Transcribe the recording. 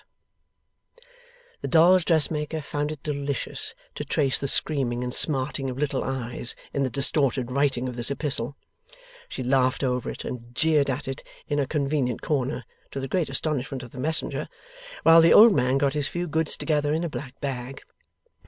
F.' The dolls' dressmaker found it delicious to trace the screaming and smarting of Little Eyes in the distorted writing of this epistle. She laughed over it and jeered at it in a convenient corner (to the great astonishment of the messenger) while the old man got his few goods together in a black bag.